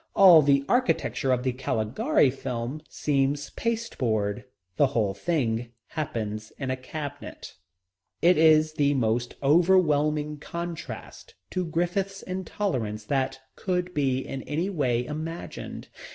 All the architecture of the Caligari film seems pasteboard. The whole thing happens in a cabinet. It is the most overwhelming contrast to Griffith's Intolerance that could be in any way imagined.